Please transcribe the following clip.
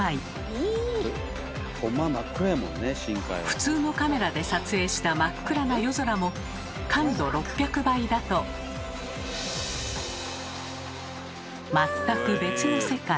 普通のカメラで撮影した真っ暗な夜空も感度６００倍だと全く別の世界。